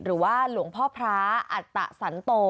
หรือว่าหลวงพ่อพระอัตตสันโต